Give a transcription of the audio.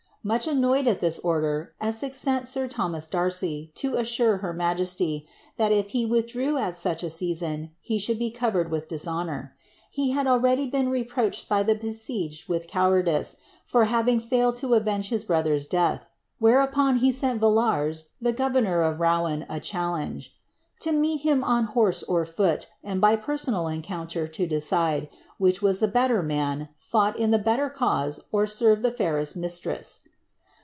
Much annoyed at this order, Essex sent sir Thomas Darcy, to assure her majesty, that if he withdrew at such a season, he should be covered with dishonour. He had already been reproached by the besieged with cowardice, for having failed to avenge his brother's death ; whereupon he sent Villars, the governor of Rouen, a challenge ^ to meet him on horse or foot, and by personal encounter to decide, which was the bet ter man, fought in the better cause, or served the fairest mistress.''